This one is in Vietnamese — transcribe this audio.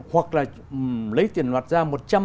hoặc là lấy tiền mặt ra một trăm linh